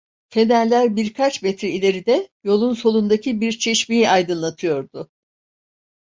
Fenerler birkaç metre ileride, yolun solundaki bir çeşmeyi aydınlatıyordu.